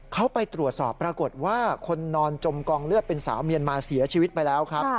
เขาไปตรวจสอบปรากฏว่าคนนอนจมกองเลือดเป็นสาวเมียนมาเสียชีวิตไปแล้วครับ